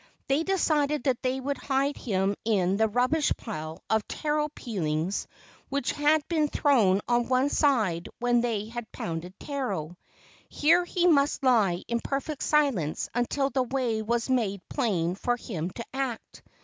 They decided that they would hide him in the rubbish pile of taro peelings which had been thrown on one side when they had pounded taro. Here he must lie in perfect silence until the way was made plain for him to act.